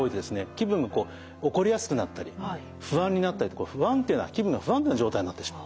気分が怒りやすくなったり不安になったりとか気分が不安定な状態になってしまう。